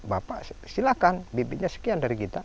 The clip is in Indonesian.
bapak silakan bibitnya sekian dari kita